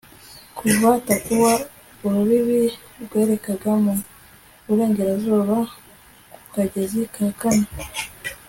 kuva tapuwa, urubibi rwerekeraga mu burengerazuba ku kagezi ka kana